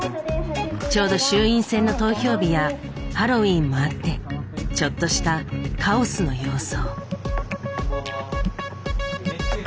ちょうど衆院選の投票日やハロウィーンもあってちょっとしたカオスの様相。